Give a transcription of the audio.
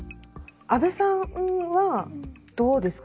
安部さんはどうですか。